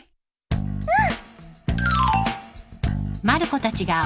うん！